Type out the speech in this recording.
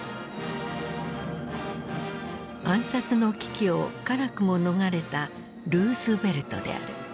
暗殺の危機を辛くも逃れたルーズベルトである。